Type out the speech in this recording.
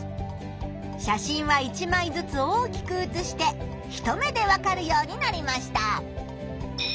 写真は１まいずつ大きくうつして一目でわかるようになりました。